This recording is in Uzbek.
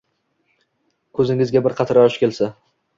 Ko’zingizga bir qatra yosh kelsa